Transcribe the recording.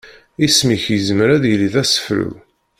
Isem-ik yezmer ad yili d asefru.